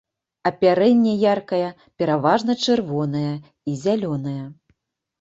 Апярэнне яркае, пераважна чырвонае і зялёнае.